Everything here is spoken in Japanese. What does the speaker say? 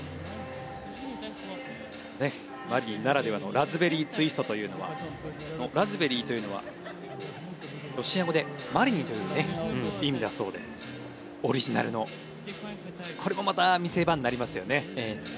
マリニンならではのラズベリーツイストというのは「ラズベリー」というのはロシア語で「マリニン」という意味だそうでオリジナルのこれもまた見せ場になりますよね。